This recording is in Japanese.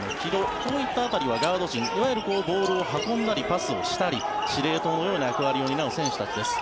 こういったところはガード陣いわゆるボールを運んだりパスをしたり、司令塔のような役割を担う選手たちです。